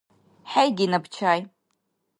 ХӀейги наб чай.